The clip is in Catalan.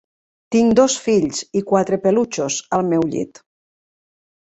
Tinc dos fills i quatre pelutxos al meu llit.